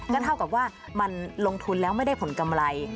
ก็เท่ากับว่ามันลงทุนแล้วไม่ได้ผลกำไร